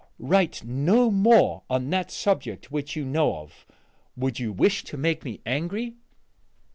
Write no more on that subject which you know of: would you wish to make me angry?"